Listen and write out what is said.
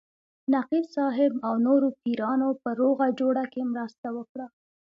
نقیب صاحب او نورو پیرانو په روغه جوړه کې مرسته وکړه.